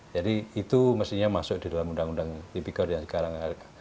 jadi itu mestinya masuk di dalam undang undang tp corp yang sekarang